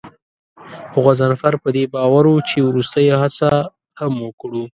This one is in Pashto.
خو غضنفر په دې باور و چې وروستۍ هڅه هم وکړو.